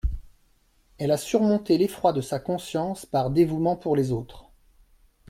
Elle a surmonté l'effroi de sa conscience par dévouement pour les autres.